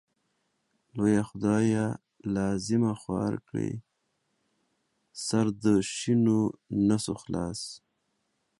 لويه خدايه لازما خوارکۍ سر د شينونسو خلاص.